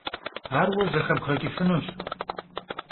Ar vue zexebğeç'ıfınuş.